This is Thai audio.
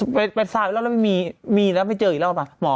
ถ้าเจออีกแล้วไปทราบอีกแล้วไม่มีแล้วไม่เจออีกแล้ว